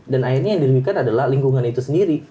dan akhirnya yang diribikan adalah lingkungan itu sendiri